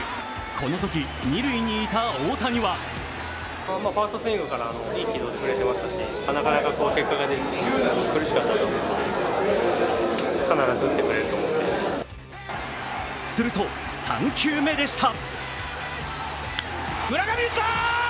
このとき、二塁にいた大谷はすると３球目でした。